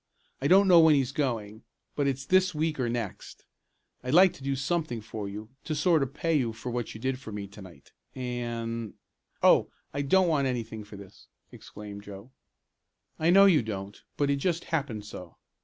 I don't know when he's going, but it's this week or next. I'd like to do something for you, to sort of pay you for what you did for me to night, and " "Oh, I don't want anything for this!" exclaimed Joe. "I know you don't, but it just happened so.